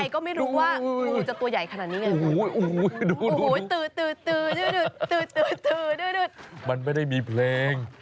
กระสอบมันเล็ก